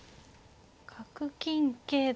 角金桂と。